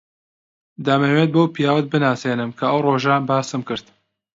دەمەوێت بەو پیاوەت بناسێنم کە ئەو ڕۆژە باسم کرد.